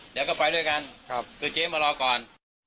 เดี๋ยวก็ไปด้วยกันคือเจ๊มารอก่อน